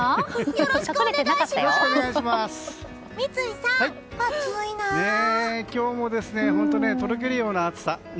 今日も本当にとろけるような暑さ。